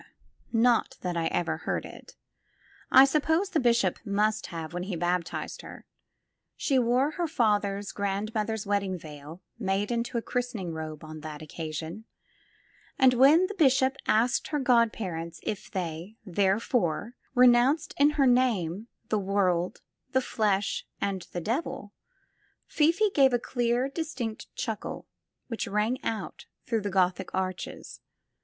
» Not that I ever heard it. I suppose the bishop must have, when he baptized her. She wore her father's grandmother's wedding veil made into a christening robe, on that occasion, and when the bishop asked her god parents if they, therefore, re nounced in her name the world, the flesh, and the devil, Fifi gave a clear, distinct chuckle which rang out through the Gothic arches.